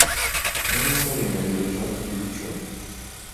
mwene se aremereye Jack ibiro icumi.